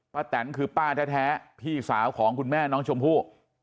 แตนคือป้าแท้พี่สาวของคุณแม่น้องชมพู่